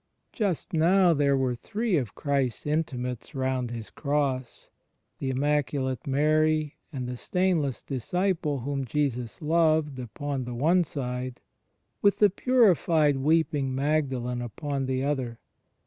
Just now there were three of Christ's intimates round His Cross — the immaculate Mary and the stainless dis ciple whom Jesus loved, upon the one side, with the 126 THE FRIENDSHIP OF CEQMST purified weeping Magdalene upon the other.